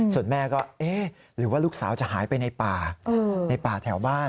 ส่วนแม่ก็เอ๊ะหรือว่าลูกสาวจะหายไปในป่าในป่าแถวบ้าน